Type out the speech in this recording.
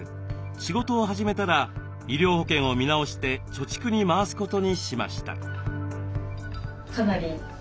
仕事を始めたら医療保険を見直して貯蓄に回すことにしました。